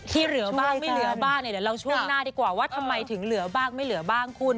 ที่เหลือบ้างไม่เหลือบ้างเนี่ยเดี๋ยวเราช่วงหน้าดีกว่าว่าทำไมถึงเหลือบ้างไม่เหลือบ้างคุณ